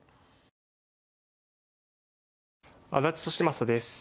安達利昌です。